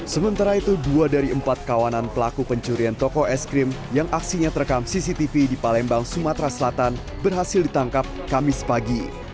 sementara itu dua dari empat kawanan pelaku pencurian toko es krim yang aksinya terekam cctv di palembang sumatera selatan berhasil ditangkap kamis pagi